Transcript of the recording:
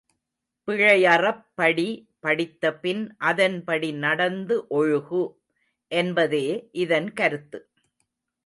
பிழையறப் படி படித்தபின் அதன்படி நடந்து ஒழுகு! என்பதே இதன் கருத்து.